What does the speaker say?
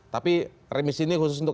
tapi remisi ini khusus untuk